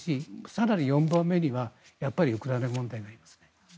更に４番目には、やっぱりウクライナ問題がありますね。